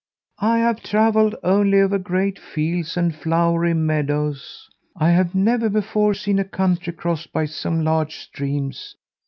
I have travelled only over great fields and flowery meadows. I have never before seen a country crossed by some large streams.